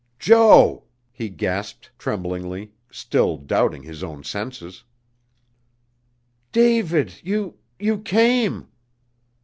"Jo!" he gasped tremblingly, still doubting his own senses. "David. You you came!"